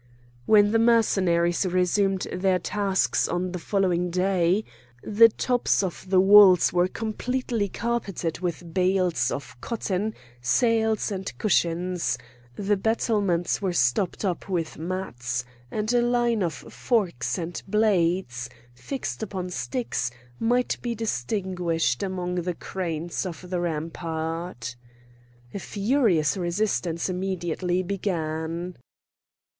When the Mercenaries resumed their task on the following day, the tops of the walls were completely carpeted with bales of cotton, sails, and cushions; the battlements were stopped up with mats; and a line of forks and blades, fixed upon sticks, might be distinguished among the cranes on the rampart. A furious resistance immediately began.